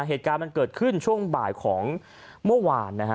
เหตุการณ์มันเกิดขึ้นช่วงบ่ายของเมื่อวานนะฮะ